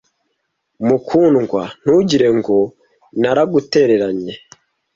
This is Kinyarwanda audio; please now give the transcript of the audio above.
mukundwa ntugire ngo naragutereranye